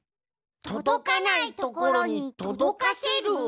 とどかないところにとどかせる？